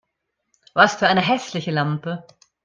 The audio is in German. Was für eine hässliche Lampe